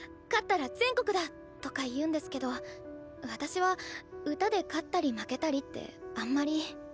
「勝ったら全国だ」とか言うんですけど私は歌で勝ったり負けたりってあんまり。